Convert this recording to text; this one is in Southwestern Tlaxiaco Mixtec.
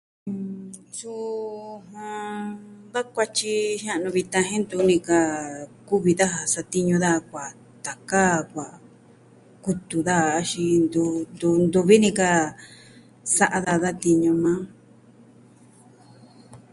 Suu da kuatyi jia'nu vitan jen ntuni ka kuvi daja satiñu daja kuaa taka, kuaa kutu daja axin ntu, ntuvi ni ka sa'a daja tiñu maa on.